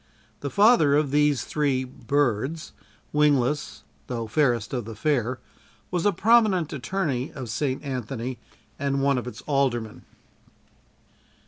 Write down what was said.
The father of these three birds wingless, though fairest of the fair, was a prominent attorney of St. Anthony and one of its aldermen.